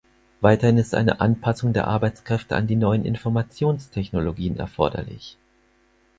Weiterhin ist eine Anpassung der Arbeitskräfte an die neuen Informationstechnologien erforderlich.